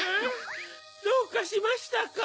どうかしましたか？